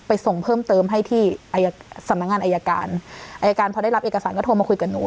ส่งเพิ่มเติมให้ที่อายการสำนักงานอายการอายการพอได้รับเอกสารก็โทรมาคุยกับหนู